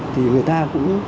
thì người ta cũng